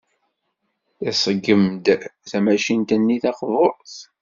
Iṣeggem-d tamacint-nni taqburt.